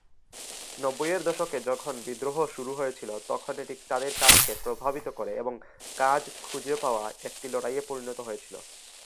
নব্বইয়ের দশকে যখন বিদ্রোহ শুরু হয়েছিল, তখন এটি তাদের কাজকে প্রভাবিত করে এবং কাজ খুঁজে পাওয়া একটি লড়াইয়ে পরিণত হয়েছিল।